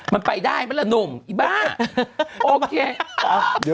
มันไปได้ไหมล่ะหนุ่มอีบ้าโอเค